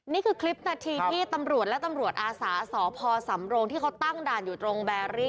นี่คือคลิปนาทีที่ตำรวจและตำรวจอาสาสพสำโรงที่เขาตั้งด่านอยู่ตรงแบรี่